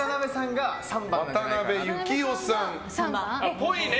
っぽいね。